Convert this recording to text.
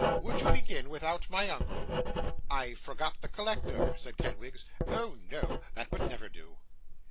Would you begin without my uncle?' 'I forgot the collector,' said Kenwigs; 'oh no, that would never do.